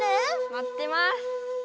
まってます！